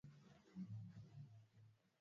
ugonjwa huo ulisababisha watu wengi kutengwa